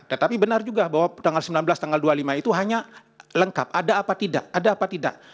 tetapi benar juga bahwa tanggal sembilan belas tanggal dua puluh lima itu hanya lengkap ada apa tidak ada apa tidak